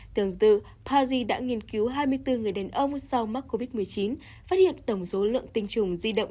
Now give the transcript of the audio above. tương tự paji đã nghiên cứu hai mươi bốn người đàn ông sau mắc covid một mươi chín phát hiện tổng số lượng tinh trùng di động